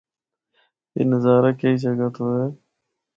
اے نظارہ کئ جگہ تو ہے۔